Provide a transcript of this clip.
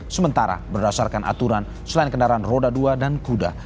sementara berdasarkan aturan selain kendaraan roda dua dan kuda